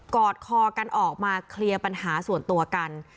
อดคอกันออกมาเคลียร์ปัญหาส่วนตัวกัน